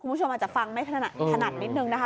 คุณผู้ชมอาจจะฟังไม่ถนัดนิดนึงนะคะ